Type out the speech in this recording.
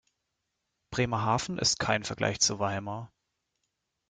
Bremerhaven ist kein Vergleich zu Weimar